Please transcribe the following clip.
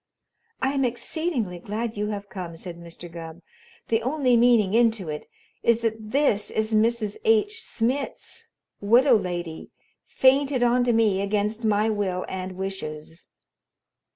"I am exceedingly glad you have come," said Mr. Gubb. "The only meaning into it, is that this is Mrs. H. Smitz, widow lady, fainted onto me against my will and wishes."